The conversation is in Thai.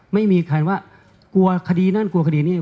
ไม่มีใครว่ากลัวคดีนั่นกลัวคดีนี้